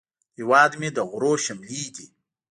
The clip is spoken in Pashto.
هیواد مې د غرونو شملې دي